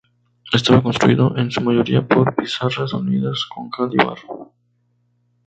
Estaba construido en su mayoría por pizarras unidas con cal y barro.